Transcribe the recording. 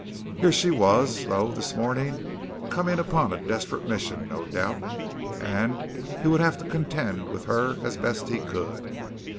Here she was, though, this morning coming upon a desperate mission no doubt, and he would have to contend with her as best he could.